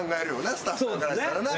スタッフさんからしたらな。